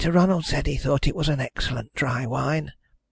Ronald said he thought it was an excellent dry wine.